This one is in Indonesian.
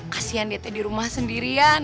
kasian dia di rumah sendirian